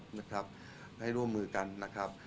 ให้ร่วมมือกันนะครับ